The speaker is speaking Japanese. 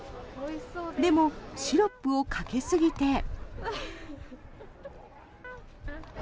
でも、シロップをかけすぎて。